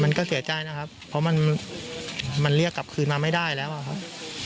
มันก็เสียใจนะครับเพราะมันเรียกกลับคืนมาไม่ได้แล้วอะครับ